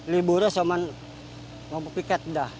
liburnya cuma mau piket udah